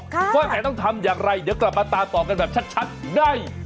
ว่าแผนต้องทำอย่างไรเดี๋ยวกลับมาตามต่อกันแบบชัดได้